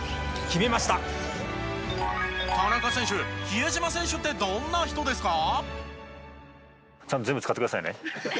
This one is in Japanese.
比江島選手ってどんな人ですか？